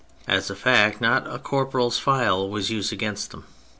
As a fact, not a corporal's file was used against them.